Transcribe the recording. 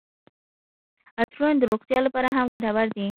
عطرونه د روغتیا لپاره هم ګټور دي.